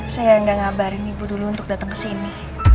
saya gak ngabarin ibu dulu untuk datang kesini